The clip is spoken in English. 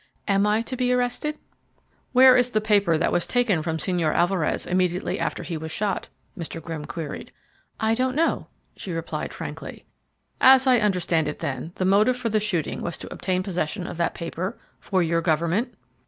"Am I to be arrested?" "Where is the paper that was taken from Señor Alvarez immediately after he was shot?" Mr. Grimm queried. "I don't know," she replied frankly. "As I understand it, then, the motive for the shooting was to obtain possession of that paper? For your government?"